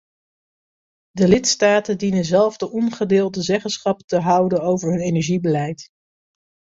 De lidstaten dienen zelf de ongedeelde zeggenschap te houden over hun energiebeleid.